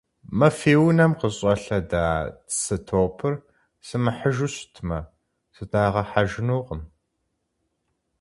Мы фи унэм къыщӀэлъэда цы топыр сымыхьыжу щытмэ, сыдагъэхьэжынукъым.